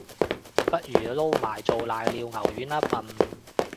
不如撈埋做瀨尿牛丸吖笨